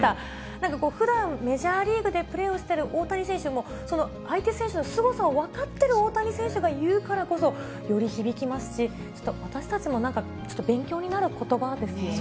なんかふだんメジャーリーグでプレーをしてる大谷選手も、その相手選手のすごさを分かってる大谷選手が言うからこそ、より響きますし、私たちもちょっと勉強になることばですよね。